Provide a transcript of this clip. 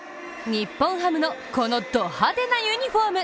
日本ハムのこのド派手なユニフォーム。